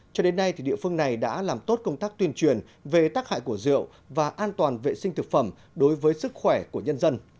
cho đến nay địa phương này đã làm tốt công tác tuyên truyền về tác hại của rượu và an toàn vệ sinh thực phẩm đối với sức khỏe của nhân dân